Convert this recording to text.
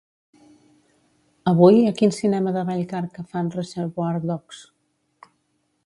Avui a quin cinema de Vallcarca fan "Reservoir dogs"?